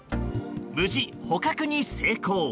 無事、捕獲に成功。